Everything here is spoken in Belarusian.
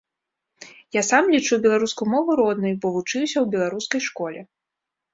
Я сам лічу беларускую мову роднай, бо я вучыўся ў беларускай школе.